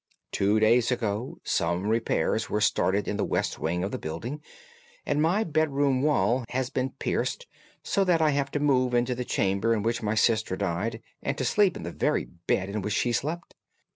Two days ago some repairs were started in the west wing of the building, and my bedroom wall has been pierced, so that I have had to move into the chamber in which my sister died, and to sleep in the very bed in which she slept.